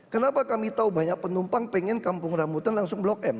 kenapa kami tahu banyak penumpang pengen kampung rambutan langsung blok m